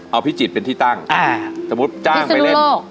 เอาพิจิตรเป็นที่ตั้งสมมุติจ้างไปเล่น